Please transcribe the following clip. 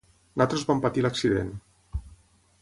Nosaltres vam patir l'accident.